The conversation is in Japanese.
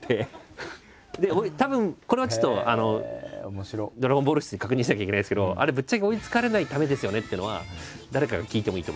たぶんこれはちょっとドラゴンボール室に確認しなきゃいけないんですけどあれぶっちゃけ追いつかれないためですよねというのは誰かが聞いてもいいと思います。